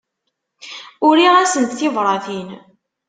Uriɣ-asent tibratin.